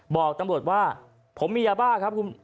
บอกตำรวจว่าผมมียาบ้าครับ